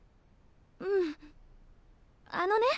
うんあのね